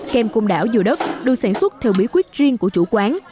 kem côn đảo dừa đất được sản xuất theo bí quyết riêng của chủ quán